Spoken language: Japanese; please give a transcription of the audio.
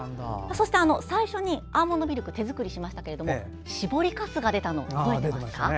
そして最初にアーモンドミルク手作りしましたが搾りかすが出たの覚えてますか？